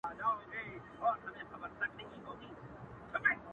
• چي ځواني رخصتېدله مستي هم ورسره ولاړه ,